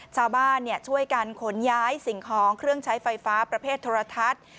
ชาวบ้านช่วยกันขนย้ายสิ่งของเครื่องใช้ไฟฟ้าประเภทโทรทัศน์